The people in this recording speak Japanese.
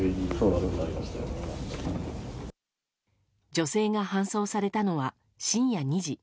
女性が搬送されたのは深夜２時。